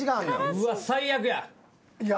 うわっ最悪や。